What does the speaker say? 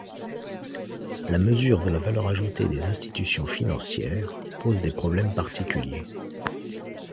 La mesure de la valeur ajoutée des institutions financières pose des problèmes particuliers.